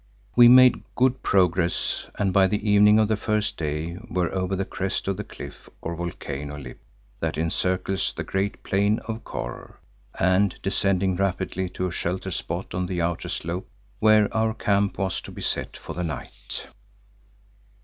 We made good progress and by the evening of the first day were over the crest of the cliff or volcano lip that encircles the great plain of Kôr, and descending rapidly to a sheltered spot on the outer slope where our camp was to be set for the night.